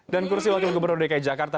dan kursi wakil gubernur dki jakarta